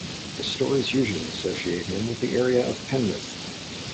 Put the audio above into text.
The stories usually associate him with the area of Penwith.